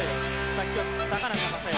作曲高中正義